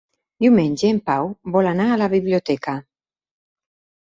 Diumenge en Pau vol anar a la biblioteca.